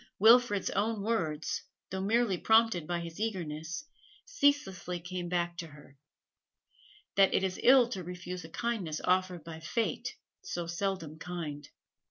Wilfrid's own words, though merely prompted by his eagerness, ceaselessly came back to her that it is ill to refuse a kindness offered by fate, so seldom kind.